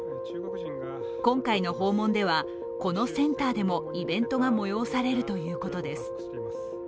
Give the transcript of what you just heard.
今回の訪問ではこのセンターでもイベントが催されるということです。